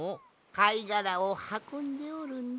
かいがらをはこんでおるんじゃ。